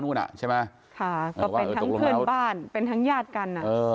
อ่ะใช่ไหมค่ะก็เป็นทั้งเพื่อนบ้านเป็นทั้งญาติกัน